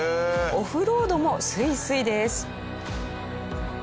オフロードもスイスイです。